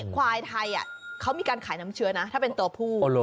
ควายไทยเขามีการขายน้ำเชื้อนะถ้าเป็นตัวผู้